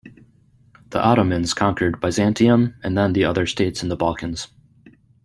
The Ottomans conquered Byzantium and then the other states in the Balkans.